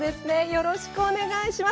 よろしくお願いします。